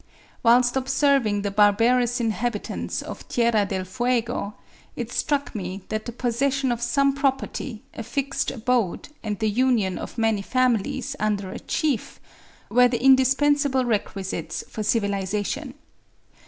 Whilst observing the barbarous inhabitants of Tierra del Fuego, it struck me that the possession of some property, a fixed abode, and the union of many families under a chief, were the indispensable requisites for civilisation.